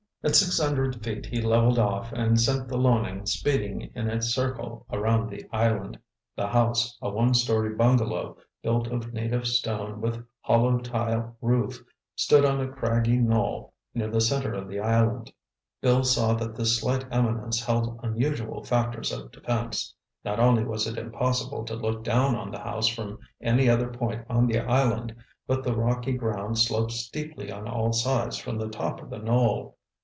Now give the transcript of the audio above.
At six hundred feet, he leveled off and sent the Loening speeding in a circle around the island. The house, a one story bungalow, built of native stone with hollow tile roof, stood on a craggy knoll near the center of the island. Bill saw that this slight eminence held unusual factors of defense. Not only was it impossible to look down on the house from any other point on the island, but the rocky ground sloped steeply on all sides from the top of the knoll.